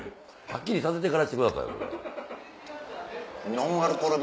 はっきりさせてからにしてくださいよそれ。